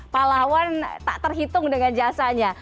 pak lawan tak terhitung dengan jasanya